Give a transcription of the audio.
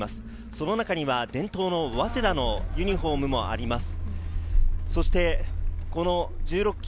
その中に伝統の早稲田のユニホームもあります。